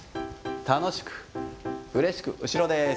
楽しく、うれしく、後ろです。